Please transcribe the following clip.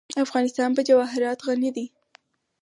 افغانستان په جواهرات غني دی.